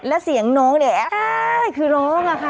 แล้วเสียงน้องเนี่ยอ้ายคือร้องอะค่ะ